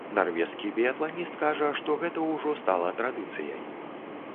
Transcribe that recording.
Нарвежскі біятланіст кажа, што гэта ўжо стала традыцыяй.